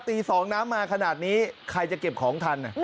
ตี๒น้ำมาขนาดนี้ใครจะเก็บของทัน